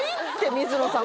水野さん